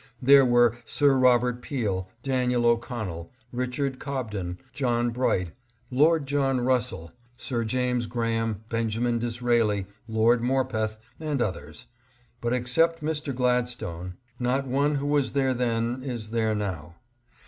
There were Sir Robert Peel, Daniel O'Connell, Richard Cobden, John Bright, Lord John Russell, Sir James Graham, Benjamin Dis raeli, Lord Morpeth, and others, but except Mr. Glad stone, not one who was there then is there now.